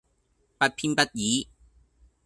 不偏不倚